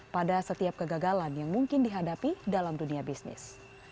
pada setiap kegagalan yang mungkin dihadapi dalam dunia bisnis